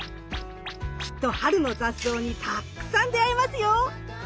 きっと春の雑草にたっくさん出会えますよ。